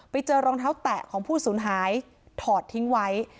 ไปเจอรองเท้าแตะของผู้สูญหายถอดทิ้งไว้